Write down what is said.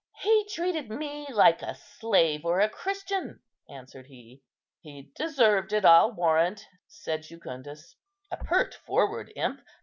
"He treated me like a slave or a Christian," answered he. "He deserved it, I'll warrant," said Jucundus; "a pert, forward imp.